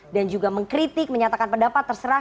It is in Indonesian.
dan juga mengkritik menyatakan pendapat terserah